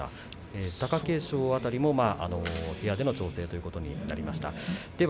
貴景勝も部屋での調整ということになりました。